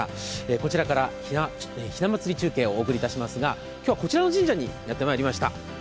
こちらから、ひな祭り中継をお送りしますが、今日はこちらの神社にやってまいりました。